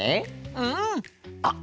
うん。あっ。